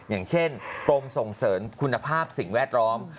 อย่างเช่นกรมส่งเสริมคุณภาพสิ่งแวดล้อม